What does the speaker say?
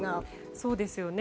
そうですよね。